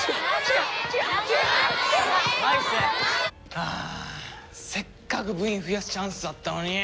ああせっかく部員増やすチャンスだったのに！